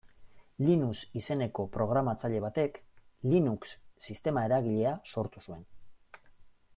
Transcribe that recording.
Linus izeneko programatzaile batek Linux sistema eragilea sortu zuen.